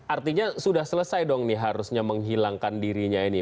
artinya sudah selesai dong nih harusnya menghilangkan dirinya ini